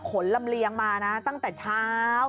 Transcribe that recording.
ลำเลียงมานะตั้งแต่เช้า